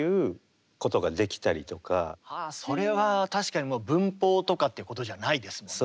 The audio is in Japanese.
それは確かにもう文法とかっていうことじゃないですもんね。